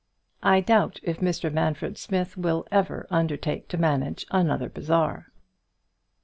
I doubt if Mr Manfred Smith will ever undertake to manage another bazaar.